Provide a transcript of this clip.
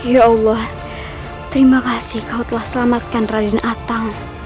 ya allah terima kasih kau telah selamatkan raden atang